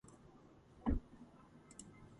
ითვლება ახალგაზრდობის თვითგამოხატვის ერთ-ერთ სახეობად.